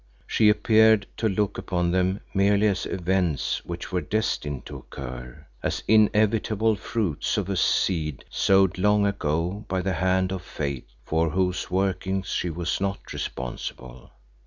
She appeared to look upon them merely as events which were destined to occur, as inevitable fruits of a seed sowed long ago by the hand of Fate for whose workings she was not responsible.